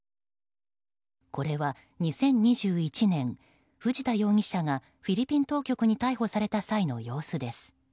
これは２０２１年、藤田容疑者がフィリピン当局に逮捕された際の様子です。